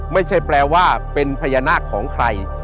ไม่ใช่แปลว่าเป็นพญานาคของใคร